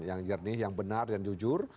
yang jernih yang benar dan jujur